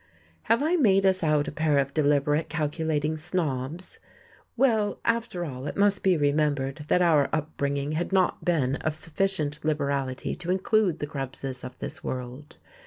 Have I made us out a pair of deliberate, calculating snobs? Well, after all it must be remembered that our bringing up had not been of sufficient liberality to include the Krebses of this world.